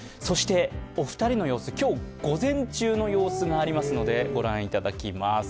お二人の様子、今日午前中の様子がありますのでご覧いただきます。